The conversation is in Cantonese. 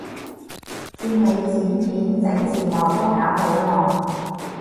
見你剪片整字幕都搞好耐